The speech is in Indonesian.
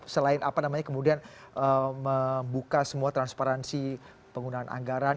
selain kemudian membuka semua transparansi penggunaan anggaran